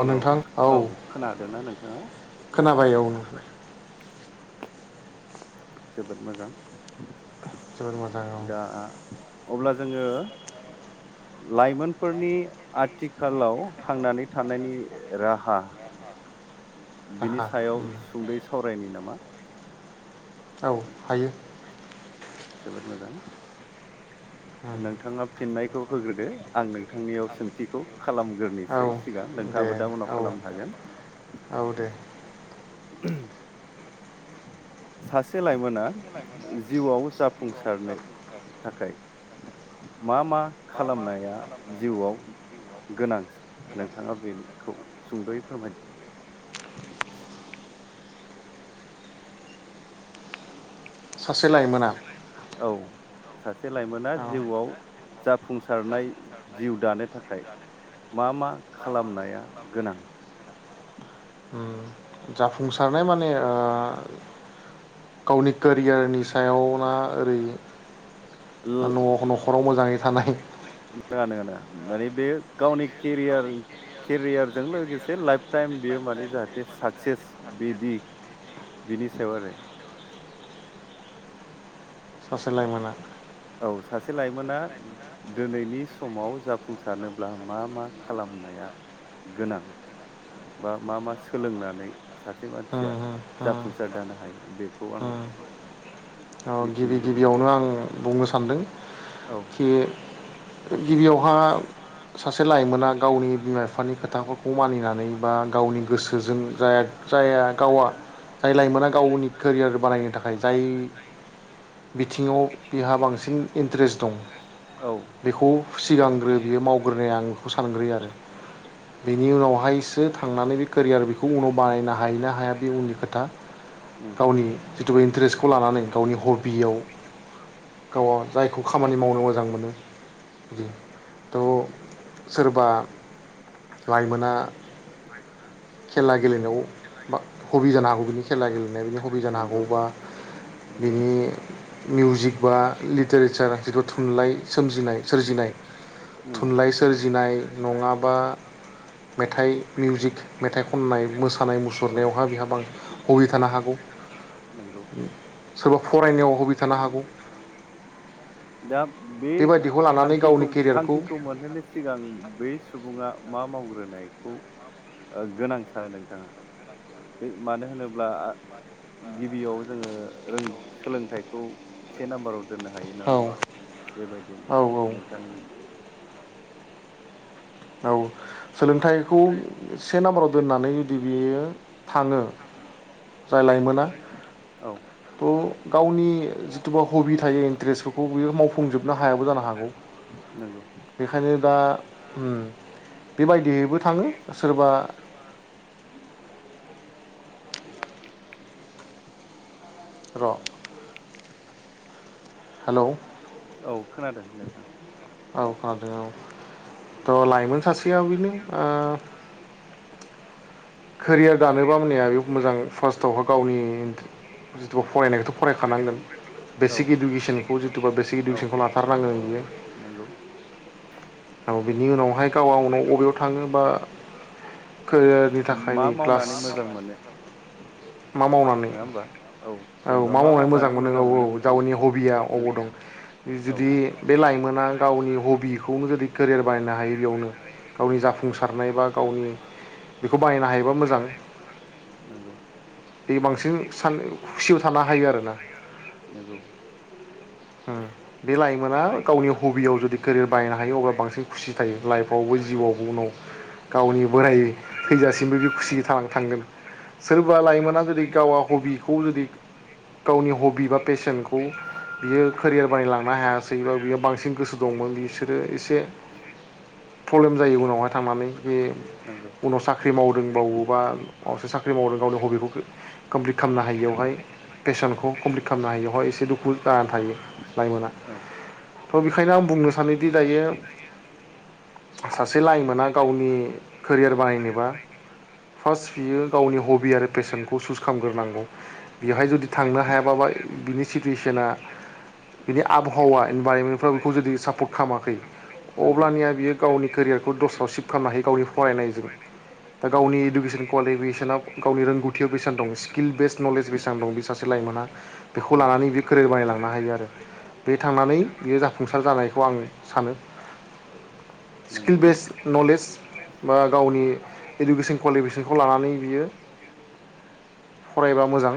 अ नोंथां औ खोनादोंना नोंथाङा? खोनाबाय औ नोंथां जोबोद मोजां। जोबोद मोजां औ दा अब्ला जोङो लाइमोन फोरनि आथिखालाव थांनानै थानायनि र [inaudible] हा बिनि राहा सायाव उम सुंद'यै सावरायनि नामा? औ हायो जोबोद मोजां उम नोंथाङा फिननाय खौ होग्रदो आं नों नोंथांनियाव सोंथिखौ औ खालामग्रोनोसै सिगां दे नोंथाङाबो दा उनाव औ खालामनो हागोन। [inaudible] औ दे सास से लाइमोना जिउआव जाफुंसारनो थाखाय मा मा खालामनाया जिउआव गोनां नोंथाङा बेखौ सुंद'यै फोरमायदो। सासे लाइमोना औ सास से लाइमोना औ जिउआव जाब फुंसारनाय जिउ दानो थाखाय मा मा खालामनाया गोनां? उम जाफुंसारनाय माने आ गावनि कोरियारनि सायाव ना ओरैनो न'-न'खराव मोजाङै थानाय नोङा नोङा नोङा माने बेयो गावनि केरियार केरियारजों लोगोसे लाइफ टाइम बेयो माने जाहाथे साक्सेस बिदि बिनि सायाव आरो ससे लायमोना औ सासे लाइमोना दोनैनि समाव जाफुंसारनोब्ला मा मा खालामनाया गोनां? बा मा मा सोलोंनानै सासे उम मानसिया उम उम जाफुंसार दानो हायो बे खौ आं ओ मिथिनो गिबि लुबैदों गिबियावनो आं बुंनो सानदों औ खि गिबियाव हा सासे लाइमोना गावनि बिमा बिफानि खोथाफोरखौ मानिनानै बा गावनि गोसोजों जाया जाया गावा जाय लाइमोना गावनि कोरियार बानायनो थाखाय जाय बिथिङाव बिहा बांसिन इन्ट्रेस्ट दं औ बिखौ सिगांग्रो बियो मावग्रोनाया आं बेखौ सानग्रोयो आरो। बिनि उनावहायसो थांनानै बै कोरियार बेखौ उनाव बाना हायोना हाया बे उननि खोथा उम गावनि दु इन्टारेस्टखौ लानानै गावनि हबियाव गावहा जायखौ खामानि मावनो मोजां मोनो थ' सोरबा लाइमोना खेला गेलेनायाव बा हबि जानो हागौ बिनि खेला गेलेनायाव बिनि हबि जानो हागौ नंगौ बा नंगौ बिनि मिउजिक बा लिटारेसार जिथु थुनलाइ सोमजिनाय सोरजिनाय उम थुनलाइ सोरजिनाय नङाबा मेथाइ मिउजिक मेथाइ खननाय मोसानाय औ मुसुरनायावहा बिहा बां हबि थानो हागौ। नंगौ सोरबा फरायनायाव हबि थानो हागौ। दा बे बेबायदिखौ लानानै गावनि थांखिखौ के थांखिखौ मोनहोनो सिगां बै सुबुङा मा मावग्रोनायखौ ओ गोनां सानो नोंथाङा बे मानो होनोब्ला गिबियाव जोङो सोलोंथाइखौ से नाम्बाराव दोननो हायो नङा औ होमबा बेबायदिनो औ औ नोंथांनि औ सोलोंथाइखौ से नाम्बाराव दोननानै जुदि बियो थाङो जाय लाइमोना औ थ' गावनि जिथुबा हबि थायो इन्ट्रेस्टफोरखौ बियो मावफुंजोब नो हायाबो जानो हागौ नंगौ बेखायनो दा ओ बेबायदियैबो थाङो सोरबा र' हेलौ औ खोनादों नोंथां औ खोनादों औ थ' लाइमोन सासे सासेयाव बेनो आ केरियार दानोबा ओमानिया बे मोजां फार्स्टआवहा गावनि जिथु फरायनायखौथ' फरायखानांगोन औ बेसिक इडुकेसनखौ जिथुबा बेसिक औ इडुकेसनखौ लाथारनांगोन बियो नंगौ औ बिनि उनावहाय गाव गावनो वबेयाव थाङो बा केरियारनि थाखाय मा नै क्लास मावनानै मोजां मोनो मा मावनानै औ मा मावनानै मोजां मोनो औ औ गावनि हबिया अबाव दं औ जुदि बे लाइमोना गावनि हबिखौनो जुदि केरियार बानायनो हायो बेयावनो गावनि जाफुंसारनाय बा गावनि बेखौ बानायनो हायोबा मोजां नंगौ बे बांसिन सान खुसियाव थानो हायो आरोना नंगौ उम बे लाइमोना गावनि हबियाव जुदि केरियार बाहायनो हायो अब्ला बांसिन खुसि थायो लाइफआवबो जिउआवबो उनाव गावनि बोराय थैजासिमबो बे औ खुसि थान थांगोन सोरबा लाइमोना जुदि गावा हबिखौ जुदि गावनि हबि बा पेसनखौ करियार बानायलांनो हाया गासैबा बियो बांसिन गोसो दंमोन बिसोरो एसे प्रब्लेम जायो उनावहाय थांनानै जे नंगौ उनाव साख्रि मावदोंबावोबा मसो साख्रि मावदों गावनि हबिखौ कमप्लिट खालामनो हायियावहाय पेसनखौ कमप्लिट खालामनो हायियावहाय एसे दुखु जानानै थायो लाइमोना औ थ' बेखायनो आं बुंनो सानोदि दायो सासे लाइमोना गावनि केरियार बानायनोबा फार्स्ट बियो गावनि हबि आरो पेसनखौ सुस खालामग्रोनांगौ बेवहाय जुदि थांनो हायाबाबा बिनि सिटुवेसना बिनि आबहावा इनभाररनमेन्टफ्राव बेखौ जुदि सापर्ट खालामाखै नंगौ अब्लानिया बियो गावनि बेखौ दस्राव सिफ्ट खालामनो हायो गावनि फरायनायजों दा गावनि इडुकेसन कुवालिफिकेसना गावनि रोंगौथिया बेसेबां दं स्किल बेस नलेज बेसेबां दं बे सासे लाइमोना बेखौ उम लानानै बे केरियार बानायलाङ नो हायो आरो बे थांनानै बेयो जाफुंसार जानायखौ आं सानो स्किल नंगौ बेस नलेज बा गावनि इडुकेसन कुवालिफिकेसनखौ लानानै बियो फरायबा मोजां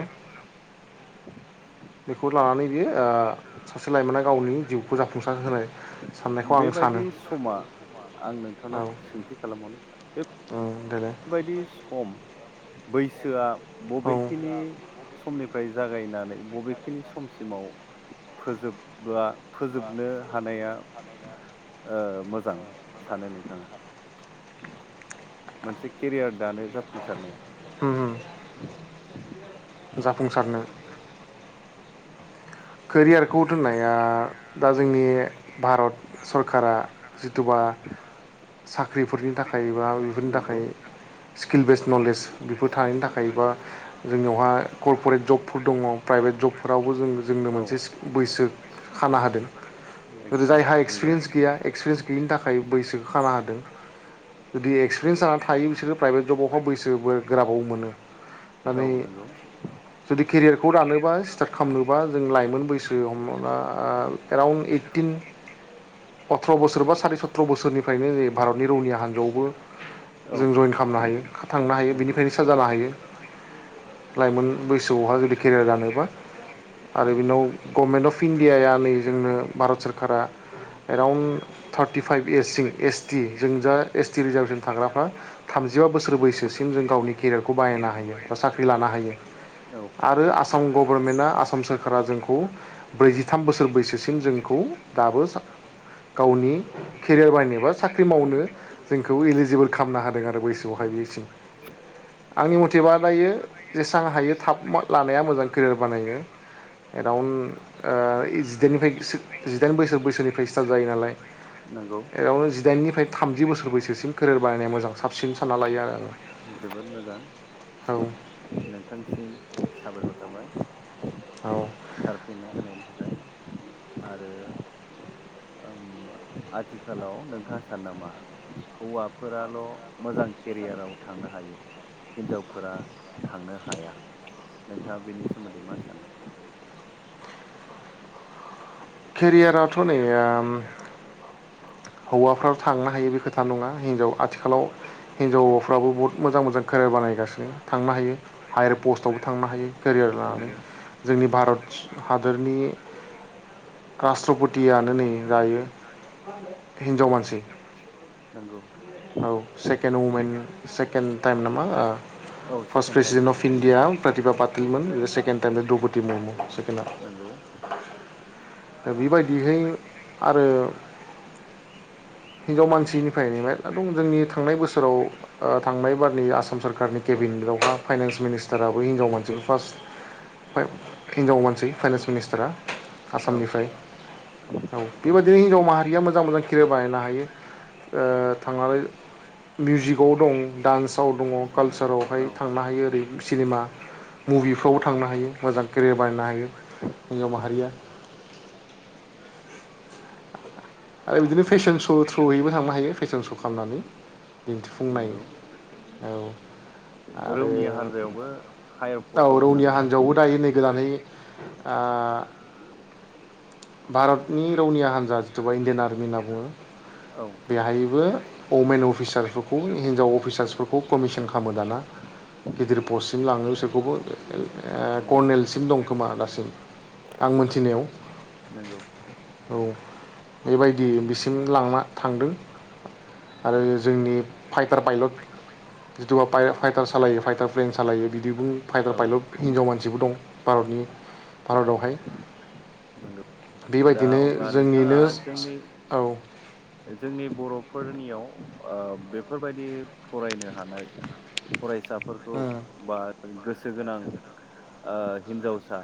बेखौ लानानै बियो सासे लाइमोना गावनि जिउखौ जाफुंसार होनाय साननायखौ आं सानो। बेबायदि समा आं नोंथांनाव औ सोंथि खालामबावनि बे ओं देलाय बेबायदि सम बैसोआ औ बबेखिनि उम समनि फ्राय जागायनानै बबेखिनि समसिमाव फोजोबब्ला फोजोबनो हानाया ओ मोजां सानो नोंथाङा? [inaudible] मोनसे केरियार दानो उम जाफुंसारनायाव जाफुंसारनो केरियारखौ दोननाया दा जोंनि भारत सरकारा जिथुबा साख्रिफोरनि थाखाय बा बेफोरनि नंगौ थाखाय स्किल बेसज नलेज बेफोर थानायनि थाखाय बा जोंनियावहा करप'रेट जबफोर दङ प्राइभेट जबफोरावबो जों औ मोनसे बैसो खाना होदों, एकदम जायहा नंगौ एख्सपिरियेनस गैया एख्सपिरियेनस गैयैनि थाखाय बैसोखौ खानानै होदों जुदि जायहा एख्सपिरियेनस थायो बिसोर बैसो गोराबाबो प्राइभेटयावबाबो मोनो औ माने नंगौ जुदि केरियारखौ दानोबा बा स्टिआर खालामनो बा जों लाइमोन बैसो हमना एराउन्ड ओइटिन अथ्र बोसोर बा सारि सथ्र बोसोरनिफ्रायनो जे भारतनि रौनिया हानजायावबो औ जों जयेन खालामनो हायो थांनो हायो नंगौ बिनिफ्रायनोसो साहा लाहोयो लाइमोन बैसोआवहा जुदि केरियार दानोबा आरो बिनाव गभनमेन्ट अफ इण्डियााया नै जोंनो भारत सोररकारा एराउन्ड थार्टिफाइभ एस सिम एस टि जों जा एस टि रिजारभेसन थाग्राफ्रा थामजिबा बोसोर बैसोसिम जों गावनि केरियारखौ बाहायनो हायो बा साख्रि लानो हायो। औ आरो आसाम गभर्नमेन्टआ आसाम आसाम सोरखारा जोंखौ ब्रैजिथाम बोसोर बैसो सिम जोंखौ दाबो गावनि केरयार बानायनाव साख्रि मावनो जोंखौ इलिजिबोल खालामनो होदों आरो बैसोयावहाय बेसिम आंनि मथेबा दायो जेसां हायो थाब लानाया मोजां केरियार बानायो एराउन्ड ओ जिदाइननिफ्राय जिदाइन बोसोर बैसोनिफ्राय स्टार्ट जायो नालाय नंगौ एरावनट जिदाइननिफ्राय थामजि बोसोर बैसोसिम केरियार बानायनाया मोजां साबसिन सानना लायो आरो आङो जोबोद मोजां औ नोंथांसिम साबायखर थाबाय औ थार फिननाय होनायनि थाखाय आरो उम आथिखालाव नोंथाङा सानो नामा हौवाफोराल' मोजां केरियाराव थांनो हायो हिनजावफोरा थांनो हाया नोंथाङा बेनि सोमोनदै मा सानो केरियाराथ' नै ओम हौवाफ्राल' थांनो हायो बे खोथा नङा हिनजाव आथिखालाव हिजावफ्राबो बुहुत मोजां मोजां केरियार बानायगासिनो थांनो हायो हायार पस्टआवबो थांनो हायो केरियार लानानै नंगौ जोंनि भारत हादरनि राष्ट्रपतियानो नै दायो हिनजाव मानसि नंगौ औ सेकेणड वमेन सेकेड टाइम नामा औ first second president of India Pratibha पातलमोन time second time Droupadi Murmu नंगौ सेकेणडआ बेबायदिहै आरो हिनजाव मानसि निफ्रायनो मेरला दं जोंनि थांनाय बोसोराव ओ थांनाय बारनि आसाम सोरखारनि केबिनेयावहा फाइनान्स मिनिस्टाराबो हिनजाव मानसि फार्स्ट हिनजाव मानसि फाइनन्स मिनिस्टारा औ आसामनिफ्राय औ बेबायददिनो हिनजाव माहारिया मोजां मोजां खेरियार [unintelligible] बानायनो हायो ओ थांनानै मिउजिकआव दं डान्सआव दङ कालसारावहाय औ थांनो हायो ओरै सिनेमा मुभिफ्रावबो थांनो हायो मोजां केरियार बानायनो हायो हिनजाव माहारिया आरो बिदिनो फेशन श' थ्रुयैबो थांनो हायो फेशन श' खालामनानै दिन्थिफुंनाय नंगौ औ आरो रौनिया हान्जायावबो हायार औ पस्टआवबो रौनिया थांनो हागौ हान्जायावबो दायो नै गोदानै आ भारतनि रौनिया हान्जा जिथुुबा इण्डियान आरमि होनना बुङो औ बेहायबो अमेन अफिसारफोरखौ हिनजाव अफिसार्सफोरखौ कमिसन खालामो दाना गिदिर पस्टसिम लाङो बिसोरखौबो [unintelligible] ओ नंगौ कर्नेलसिम दं खोमा दासिम आं मोनथिनायाव नोंगौ औ बेबायदि बिसिम लांना थांदों आरो जोंनि फाइटार पाइलट जिथुुबा फाइटार सालायो फाइटार प्लेन सालायो बिदि बुं फाइटार औ पाइलट हिनजाव मानसिबो दं भारतनि भारतआवहाय नंगौ दा बेबायदिनो अब्ला नोंथाङा जोंनिनो जोंनि औ जोंनि बर'फोरनियाव ओ बेफोरबायदि फरायनो हानाय फरायस साफोरखौ बा गोसो गोनां ओ हिन्जावसा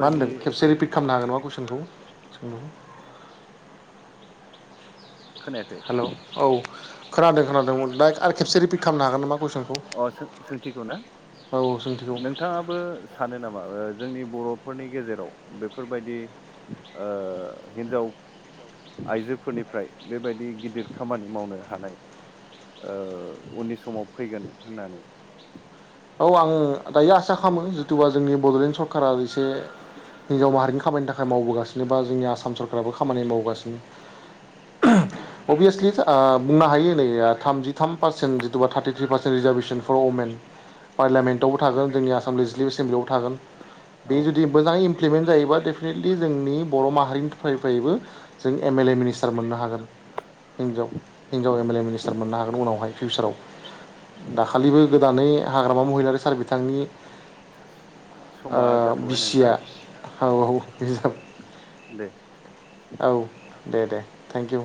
मा होनदों खेबसे रिपिट खामनो हागोन बा कुइसनखौ? बुदों खोनायाखै हेल' औ खोनादों खोनादों दा आरो खेबसे रिपिट खालामनो हागोन नामा कुइसनखौ अ सोंथिखौ ना औ सोंथिखौ? नोंथाङाबो सानो नामा जोंनि बर'फोरनि गेजेराव बेफोरबायदि ओ हिन्जाव आइजोफोरनिफ्राय बेबायदि गिदिर खामानि मावनो हानाय ओ उननि समाव फैगोन होननानै औ आङो दायो आसा खालामो जिथुबा जोंनि बड'लेण्ड स कारा एसे हिनजाव माहारिनि खामानि था खाय मावबोगासिनोबा जोंनि आसाम सर खाराबो खामानि मावगासिनो। अबियसलि था दा बुंनो हायो नै थामजि थाम पारसेन्ट जिथुबा थार्टिथ्रि पारसेन्ट रिजार्भेसन फर अमेन पार्लियामेन्टआवबो थागोन जोंनि आसाम लेजिस्लिभ एसेमब्लियाव थागोन बे औ जुदि मोजाङै इमप्लिमेन्ट जायोबा डेफिनेटलि जोंनि बर' माहारिनिफ्राय फैबो जों एम एल ए मिनिस्टार मोननो हागोन हिनजाव हिनजाव एम एल ए मिनिस्टार मोननो हागोन उनावहाय फिउचाराव दाखालिबो गोदानै हाग्रामा महिलारि सार बिथांनि ओ समा जाथ'बाय बिसिया नोंथां औ औ दे औ दे दे थेंक इउ।